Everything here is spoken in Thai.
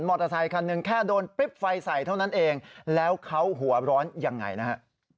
อเตอร์ไซคันหนึ่งแค่โดนปริ๊บไฟใส่เท่านั้นเองแล้วเขาหัวร้อนยังไงนะฮะ